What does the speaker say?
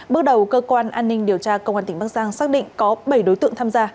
bước đầu cơ quan an ninh điều tra công an tỉnh bắc giang xác định có bảy đối tượng tham gia